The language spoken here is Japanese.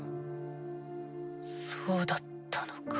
そうだったのか。